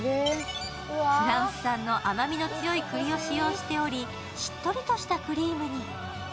フランス産の甘みの強い栗を使用しておりしっとりとしたクリームに。